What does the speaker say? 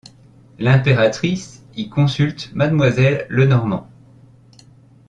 L’impératrice y consulte mademoiselle Lenormand.